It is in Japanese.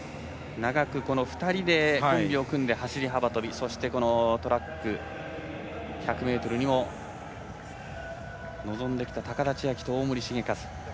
長く２人でコンビを組んで走り幅跳びそしてこのトラック１００ｍにも臨んできた高田千明と大森盛一。